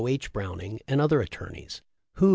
H. Browning, and other attorneys, who.